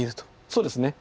そうですね。